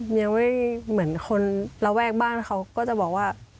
ยังไม่เหมือนคนระแวกบ้านเขาก็จะบอกว่า